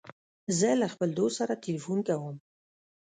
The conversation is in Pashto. زه له خپل دوست سره تلیفون کوم.